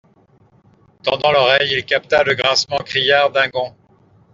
Tendant l’oreille, il capta le grincement criard d’un gond.